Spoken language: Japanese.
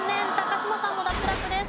嶋さんも脱落です。